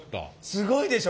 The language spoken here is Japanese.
すごいでしょ？